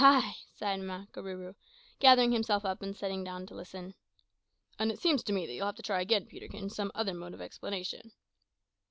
sighed Makarooroo, gathering himself up and settling down to listen), "and it seems to me that you'll have to try again, Peterkin, some other mode of explanation."